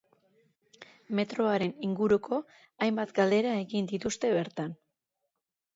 Metroaren inguruko hainbat galdera egiten dituzte bertan.